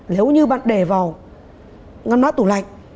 nếu như bạn để vào ngăn mát tủ lạnh